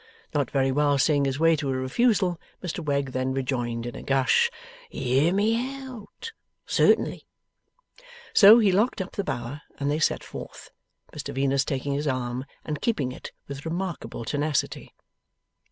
Not very well seeing his way to a refusal, Mr Wegg then rejoined in a gush, ' Hear me out! Certainly.' So he locked up the Bower and they set forth: Mr Venus taking his arm, and keeping it with remarkable tenacity.